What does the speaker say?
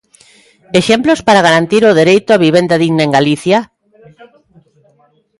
¿Exemplos para garantir o dereito á vivenda digna en Galicia?